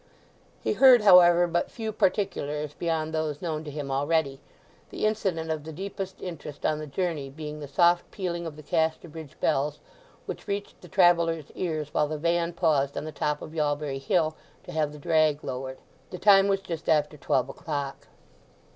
He heard, however, but few particulars beyond those known to him already, the incident of the deepest interest on the journey being the soft pealing of the Casterbridge bells, which reached the travellers' ears while the van paused on the top of Yalbury Hill to have the drag lowered. The time was just after twelve o'clock.